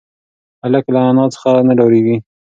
هلک له انا څخه نه ډارېږي.